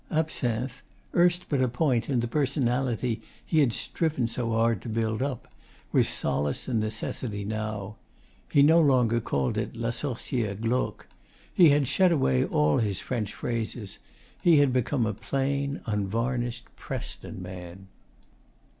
Absinthe, erst but a point in the 'personality' he had striven so hard to build up, was solace and necessity now. He no longer called it 'la sorciere glauque.' He had shed away all his French phrases. He had become a plain, unvarnished, Preston man.